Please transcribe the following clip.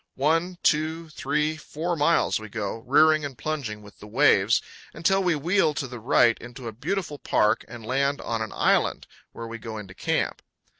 One, two, three, four miles we go, rearing and plunging with the waves, until we wheel to the right into a beautiful park and land on an island, where we go into camp.